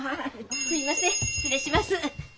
すみません失礼します。